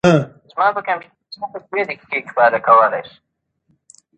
تاسو باید سم خج وکاروئ.